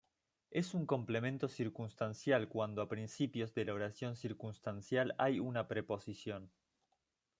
Es un complemento circunstancial cuando a principios de la oración circunstancial hay una preposición.